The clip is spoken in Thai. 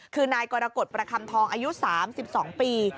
คือนายกรกฎประคำทองอายุ๓๒ปี